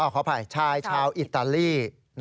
ขออภัยชายชาวอิตาลี